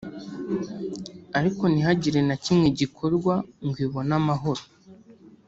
ariko ntihagire na kimwe gikorwa ngo ibone amahoro